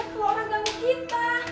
kalau orang ganggu kita